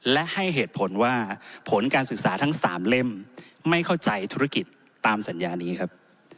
และให้เหตุผลว่าผลการศึกษาทั้ง๓เล่มไม่เข้าใจธุรกิจตามสัญญานี้ครับ